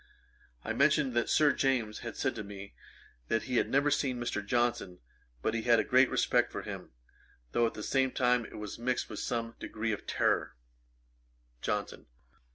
I mentioned that Sir James had said to me, that he had never seen Mr. Johnson, but he had a great respect for him, though at the same time it was mixed with some degree of terrour. JOHNSON.